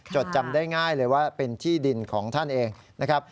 จดจำได้ง่ายเลยว่าเป็นที่ดินของท่านเองนะครับ